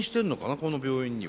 この病院には。